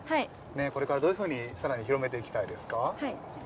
これから、どういうふうにさらに広めていきたいですか？